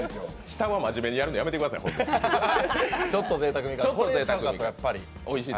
下は真面目にやるの、やめてください、ホントに。